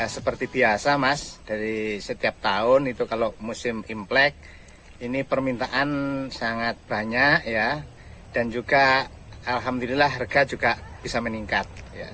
seperti biasa mas dari setiap tahun itu kalau musim imlek ini permintaan sangat banyak dan juga alhamdulillah harga juga bisa meningkat